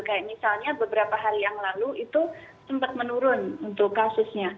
kayak misalnya beberapa hari yang lalu itu sempat menurun untuk kasusnya